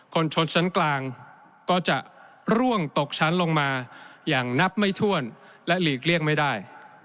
ชนชั้นกลางก็จะร่วงตกชั้นลงมาอย่างนับไม่ถ้วนและหลีกเลี่ยงไม่ได้